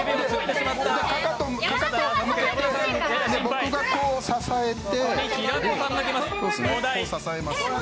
僕が、こう支えて。